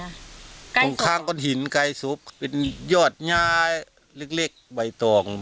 ใกล้ศพข้างข้างข้างหินใกล้ศพเป็นยอดเนี้ยเล็กเล็กใบต่อง